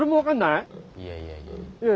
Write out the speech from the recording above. いやいやいや。